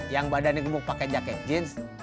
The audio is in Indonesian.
yang badannya gebuk pakai jaket jeans